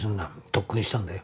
特訓したんだよ。